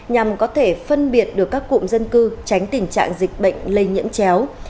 nhằm có thể phân biệt được các cụm dân cư tránh tình trạng dịch bệnh lây nhiễm chéo